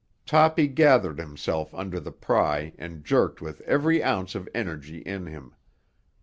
Toppy gathered himself under the pry and jerked with every ounce of energy in him.